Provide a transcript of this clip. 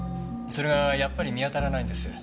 それがやっぱり見当たらないんです。